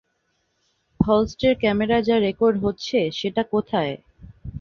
হলস্ট-এর ক্যামেরায় যা রেকর্ড হচ্ছে, সেটা কোথায়?